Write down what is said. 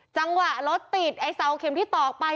จังหวะรถติดไอ้เสาเข็มที่ตอกไป